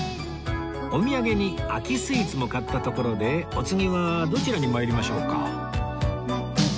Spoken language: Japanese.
お土産に秋スイーツも買ったところでお次はどちらに参りましょうか